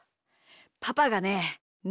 パパがねみ